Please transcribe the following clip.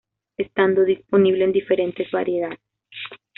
Estando disponible en diferentes variedades.